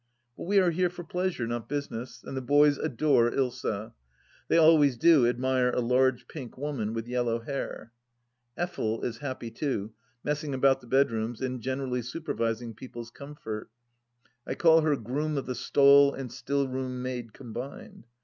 But we are here for pleasure, not business, and the boys adore Ilsa. They always do admire a large pink woman with yellow hair. Effel is happy too, messing about the bedrooms, and generally supervising people's comfort. I call her groom of the stole and still room maid combined.